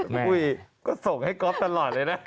แม่ก็ส่งให้ก๊อบตลอดเลยนะ